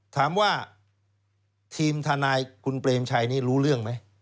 ถามว่าทีมทนายคุณเปรมชัยนี้รู้เรื่องไหม